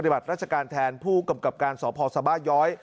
บัติราชการแทนผู้กำกับการสพสบาย้อย